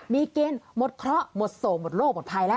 มีเกณฑ์หมดเคราะห์หมดโศกหมดโลกหมดภัยแล้ว